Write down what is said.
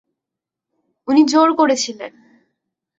উনি জোর করেছিলেন।